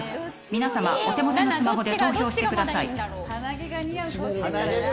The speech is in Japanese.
皆さまお手持ちのスマホで投票してください。